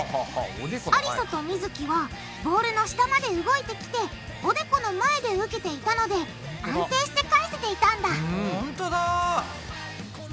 ありさとみづきはボールの下まで動いてきておでこの前で受けていたので安定して返せていたんだほんとだ。